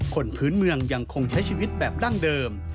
คนพื้นเมืองยังคงใช้ชีวิตแบบดั้งเดิม